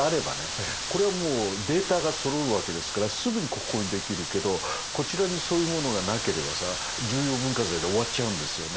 これはもうデータがそろうわけですからすぐに国宝にできるけどこちらにそういうものがなければさ重要文化財で終わっちゃうんですよね。